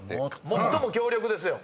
最も強力ですよ。